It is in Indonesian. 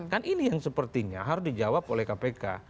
kan ini yang sepertinya harus dijawab oleh kpk